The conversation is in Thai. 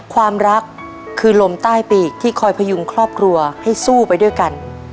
ความรักคือลมใต้ปีกที่คอยพยุงครอบครัวให้สู้ไปด้วยกัน